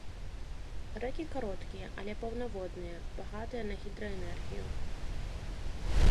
Рэкі кароткія, але паўнаводныя, багатыя на гідраэнергію.